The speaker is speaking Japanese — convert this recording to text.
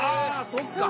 そっか！